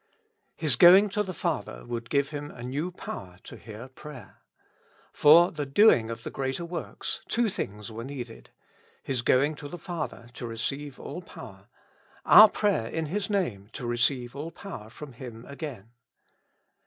'' His going to the Father would give Him a new power to hear prayer. For the doing of the greater works, two things were needed : His going to the Father to receive all power, our prayer in His Name to receive all power from Him again.